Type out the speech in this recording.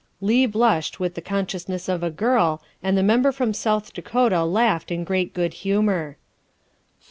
Leigh blushed with the consciousness of a girl, and the Member from South Dakota laughed in great good humor.